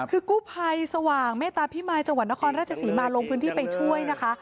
คือกู้ภัยสว่างเมตตาพิมายจังหวัดนครราชศรีมาลงพื้นที่ไปช่วยนะคะ